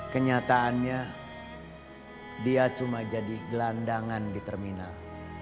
kenyataannya dia cuma jadi gelandangan di terminal